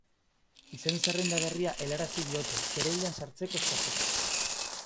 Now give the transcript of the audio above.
Izen zerrenda berria helarazi diote, kereilan sartzeko eskatzeko.